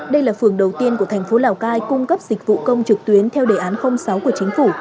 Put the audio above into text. đây là phường đầu tiên của thành phố lào cai cung cấp dịch vụ công trực tuyến theo đề án sáu của chính phủ